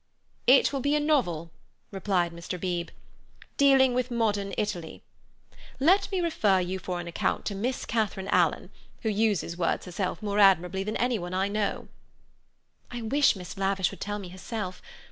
"It will be a novel," replied Mr. Beebe, "dealing with modern Italy. Let me refer you for an account to Miss Catharine Alan, who uses words herself more admirably than any one I know." "I wish Miss Lavish would tell me herself.